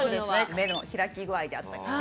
目の開き具合であったりとか。